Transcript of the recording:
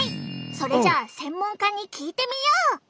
それじゃあ専門家に聞いてみよう！